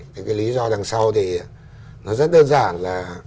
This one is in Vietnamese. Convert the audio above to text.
thì cái lý do đằng sau thì nó rất đơn giản là